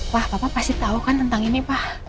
pak papa pasti tau kan tentang ini pak